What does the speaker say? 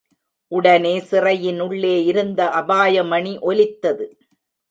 உடனே சிறையினுள்ளே இருந்த அபாயமணி ஒலித்தது.